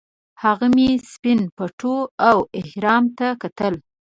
هغه مې سپین پټو او احرام ته کتل.